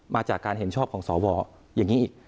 มาจากการเห็นชอบของสวอย่างนี้อีก